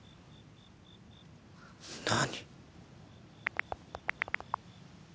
何？